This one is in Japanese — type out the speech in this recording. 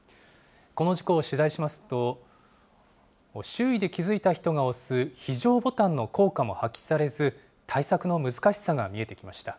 この事故を取材しますと、周囲で気付いた人が押す、非常ボタンの効果も発揮されず、対策の難しさが見えてきました。